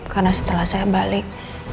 karena setelah saya balik